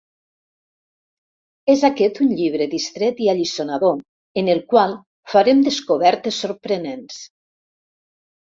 És aquest un llibre distret i alliçonador, en el qual farem descobertes sorprenents.